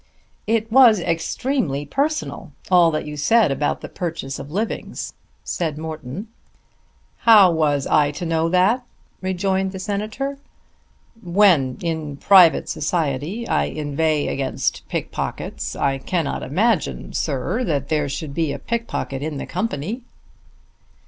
"It was extremely personal, all that you said about the purchase of livings," said Morton. "How was I to know that?" rejoined the Senator. "When in private society I inveigh against pickpockets I cannot imagine, sir, that there should be a pickpocket in the company."